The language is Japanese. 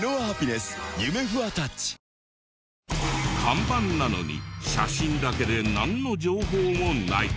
看板なのに写真だけでなんの情報もない。